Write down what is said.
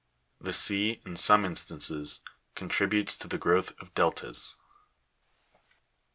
The sea, in some instances, contri butes to the growth of deltas. 28.